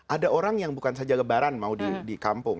ada orang yang bukan saja lebaran mau di kampung